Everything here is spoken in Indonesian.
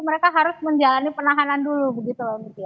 mereka harus menjalani penahanan dulu